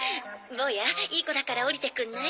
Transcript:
坊やいい子だから下りてくんない？